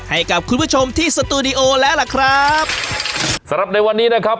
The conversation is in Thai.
ให้กับคุณผู้ชมที่สตูดิโอแล้วล่ะครับสำหรับในวันนี้นะครับ